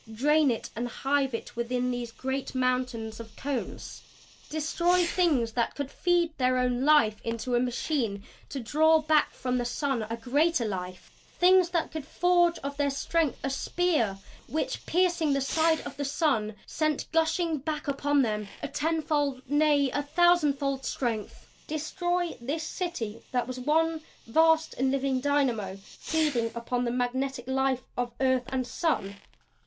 Drain it and hive it within these great mountains of the cones! Destroy Things that could feed their own life into a machine to draw back from the sun a greater life Things that could forge of their strength a spear which, piercing the side of the sun, sent gushing back upon them a tenfold, nay, a thousandfold strength! Destroy this City that was one vast and living dynamo feeding upon the magnetic life of earth and sun!